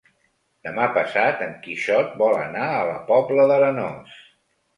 Demà passat en Quixot vol anar a la Pobla d'Arenós.